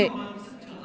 việt nam chúng ta